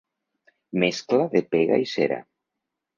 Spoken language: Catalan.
Mescla de pega i cera.